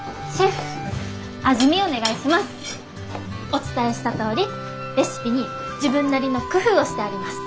お伝えしたとおりレシピに自分なりの工夫をしてあります。